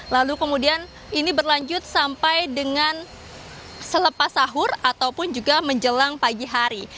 lalu kemudian ini berlanjut sampai dengan selepas sahur ataupun juga menjelang pagi hari